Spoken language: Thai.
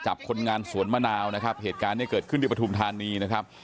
คนงานสวนมะนาวนะครับเหตุการณ์เนี่ยเกิดขึ้นที่ปฐุมธานีนะครับ